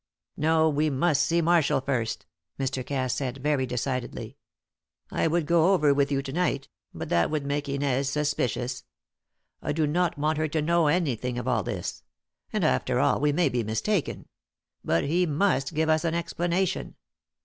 "No, we must see Marshall first," Mr. Cass said, very decidedly. "I would go over with you to night; but that would make Inez suspicious. I do not want her to know anything of all this. And, after all, we may be mistaken; but he must give us an explanation.